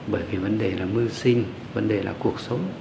bởi vì vấn đề là mưu sinh vấn đề là cuộc sống